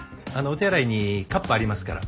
お手洗いにカップありますから。